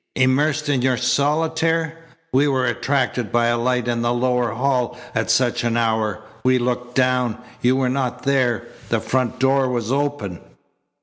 "Immersed in your solitaire! We were attracted by a light in the lower hall at such an hour. We looked down. You were not there. The front door was open."